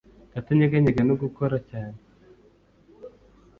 Kutanyeganyega no gukora cyane